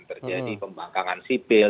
terjadi pembangkangan sipil